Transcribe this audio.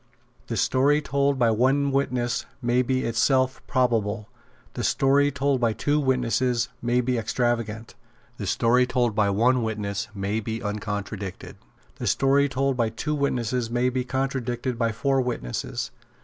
The story told by one witness may be in itself probable. The story told by two witnesses may be extravagant. The story told by one witness may be uncontradicted. The story told by two witnesses may be contradicted by four witnesses.